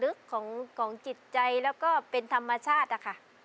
ลึกของจิตใจแล้วก็เป็นธรรมชาติอะค่ะ